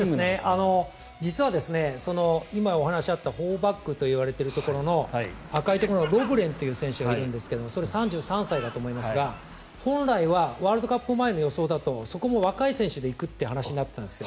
実は今お話にあった４バックといわれているところの赤いところのロブレンという選手がいるんですがそれ、３３歳だと思いますが本来はワールドカップ前の予想だとそこも若い選手で行くっていう話になっていたんですよ。